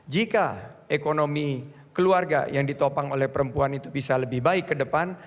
jika ekonomi keluarga yang ditopang oleh perempuan itu bisa lebih baik ke depan